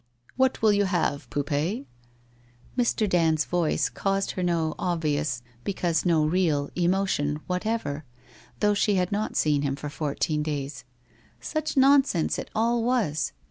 ' What will you have, Poupee ?' Mr. Dand's voice caused her no obvious, because no real, emotion, whatever, though she had not seen him for fourteen days. Such nonsense it all was!